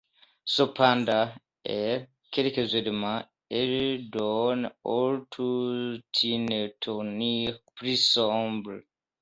Cependant, elle quelques éléments et donne au tout une tournure plus sombre.